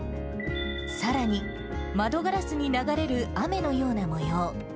さらに、窓ガラスに流れる雨のような模様。